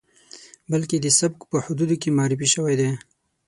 بلکې د سبک په حدودو کې معرفي شوی دی.